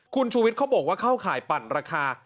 คุณชูวิทย์เขาบอกว่าเข้าข่ายปั่นราคา